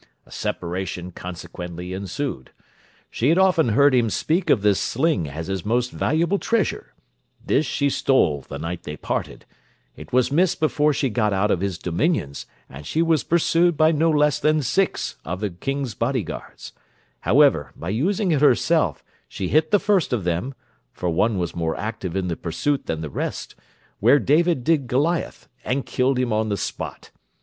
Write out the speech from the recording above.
A separation consequently ensued. She had often heard him speak of this sling as his most valuable treasure: this she stole the night they parted; it was missed before she got out of his dominions, and she was pursued by no less than six of the king's body guards: however, by using it herself she hit the first of them (for one was more active in the pursuit than the rest) where David did Goliath, and killed him on the spot.